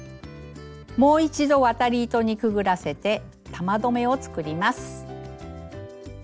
もう一度渡り糸にくぐらせて玉留めを作ります。